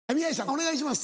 お願いします。